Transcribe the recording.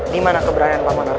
dimana keberanian pak monar genar